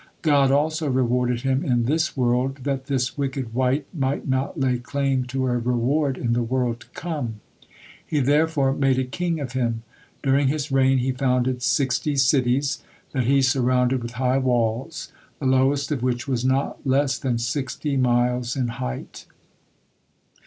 God also rewarded him in this world, that this wicked wight might not lay claim to a reward in the world to come. He therefore made a king of him. During his reign he founded sixty cities, that he surrounded with high walls, the lowest of which was not less than sixty miles in height.